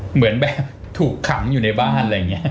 เหมือนแบบถูกขังอยู่ในบ้านอะไรอย่างนี้